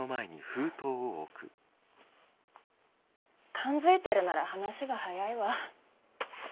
勘づいてるなら話が早いわ。